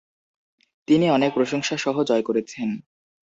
তিনি অনেক প্রশংসা সহ জয় করেছেন।